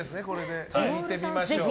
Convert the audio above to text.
聞いてみましょう。